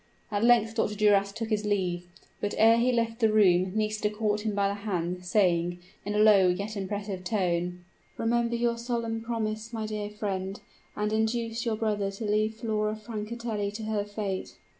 At length Dr. Duras took his leave; but ere he left the room Nisida caught him by the hand, saying, in a low, yet impressive tone "Remember your solemn promise, my dear friend, and induce your brother to leave Flora Francatelli to her fate."